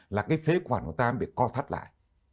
là cái phế quản của ta bị co thắt lại